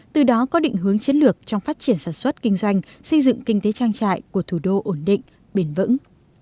từ đó có định hướng chiến lược trong phát triển sản xuất kinh doanh xây dựng kinh tế trang trại của thủ đô ổn định bền vững